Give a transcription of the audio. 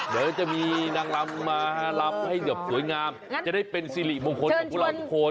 เดี๋ยวจะมีนางลำมาลำให้แบบสวยงามจะได้เป็นสิริมงคลกับพวกเราทุกคน